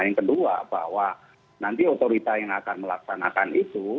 yang kedua bahwa nanti otorita yang akan melaksanakan itu